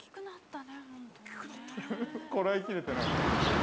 こらえきれてない。